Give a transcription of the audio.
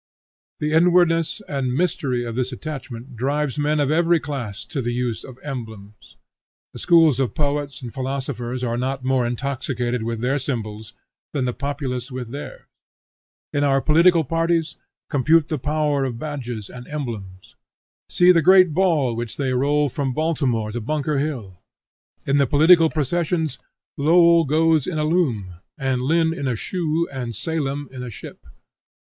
The inwardness and mystery of this attachment drives men of every class to the use of emblems. The schools of poets and philosophers are not more intoxicated with their symbols than the populace with theirs. In our political parties, compute the power of badges and emblems. See the great ball which they roll from Baltimore to Bunker hill! In the political processions, Lowell goes in a loom, and Lynn in a shoe, and Salem in a ship.